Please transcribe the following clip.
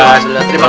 terima kasih pak